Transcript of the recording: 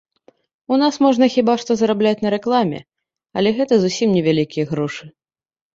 У нас можна хіба што зарабляць на рэкламе, але гэта зусім не вялікія грошы.